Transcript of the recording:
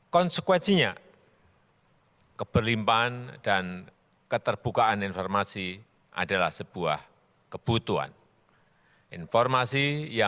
dan setiap orang dapat dengan segera menyebar luaskan informasi